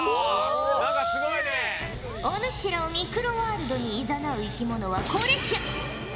お主らをミクロワールドにいざなう生き物はこれじゃ。